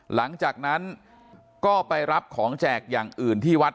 หลังจากนั้นก็ไปรับของแจกอย่างอื่นที่วัด